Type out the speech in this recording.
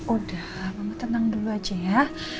udah mama tenang dulu aja ya